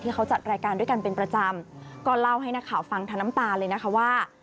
เขาจัดรายการด้วยกันเป็นประจำก็เล่าให้นักข่าวฟังทั้งน้ำตาเลยนะคะว่า